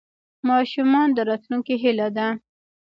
ماشومان د راتلونکي هیله ده.